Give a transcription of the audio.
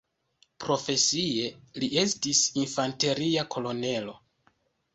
Profesie li estis infanteria kolonelo.